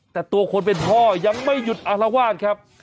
แต่ตัวคนเป็นพ่อยังไม่หยุดอารวาสครับ